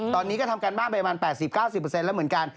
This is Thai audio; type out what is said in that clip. ตอนนี้ก็ทำการบ้านไปประมาณ๘๐๙๐แล้วเหมือนกัน